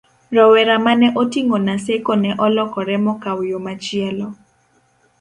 rowera mane oting'o Naseko ne olokore mokawo yo machielo